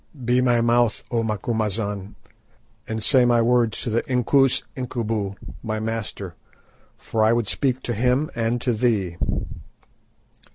Be my mouth, O Macumazahn, and say my words to the Inkoos Incubu, my master, for I would speak to him and to thee."